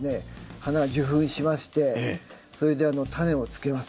花は受粉しましてそれで種をつけます。